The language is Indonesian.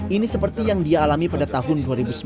ini seperti yang dia alami pada tahun dua ribu sembilan